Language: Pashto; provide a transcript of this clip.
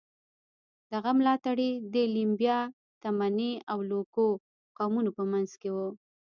دغه ملاتړي د لیمبا، تمني او لوکو قومونو په منځ کې وو.